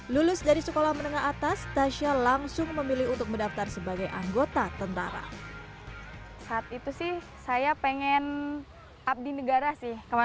lulus dari sekolah menengah atas tasya langsung memilih untuk mendaftar sebagai anggota tentara